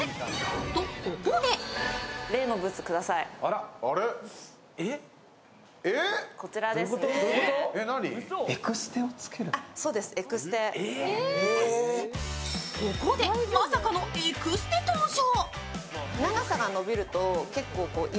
とここでここでまさかのエクステ登場。